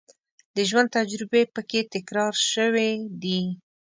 د ژوند تجربې په کې تکرار شوې دي.